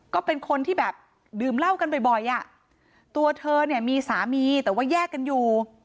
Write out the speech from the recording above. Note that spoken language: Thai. ก็เป็นคนที่แบบดื่มเหล้ากันบ่อยอ่ะตัวเธอเนี่ยมีสามีแต่ว่าแยกกันอยู่